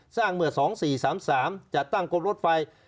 สร้างเมื่อสองสี่สามสามจัดตั้งกรมรถไฟ